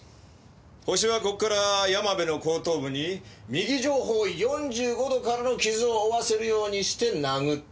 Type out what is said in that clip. ホシはここから山辺の後頭部に右上方４５度からの傷を負わせるようにして殴った。